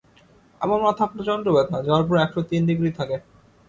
আমার মাথা প্রচন্ড ব্যথা, জ্বর প্রায় একশো তিন ডিগ্রি থাকে।